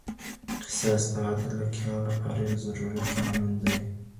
قصاص د عدل د قیام لپاره یو ضروري قانون دی.